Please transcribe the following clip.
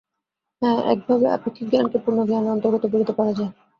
হাঁ, একভাবে আপেক্ষিক জ্ঞানকে পূর্ণ জ্ঞানের অন্তর্গত বলিতে পারা যায়।